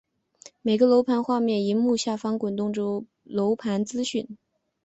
每个楼盘画面的萤幕下方滚动播出楼盘资讯。